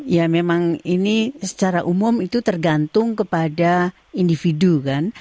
ya memang ini secara umum itu tergantung kepada individu kan